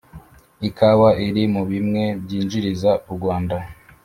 Ikawa iri mubimwe byijyiriza uRwanda